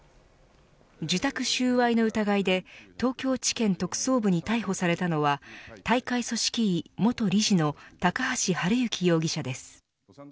受託収賄の疑いで東京地検特捜部に逮捕されたのは大会組織委元理事の高橋治之容疑者です。